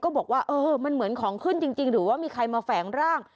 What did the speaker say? บอกว่าเออมันเหมือนของขึ้นจริงหรือว่ามีใครมาแฝงร่าง